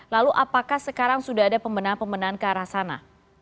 lalu apakah sekarang sudah ada pembenahan pembenahan ke arah sana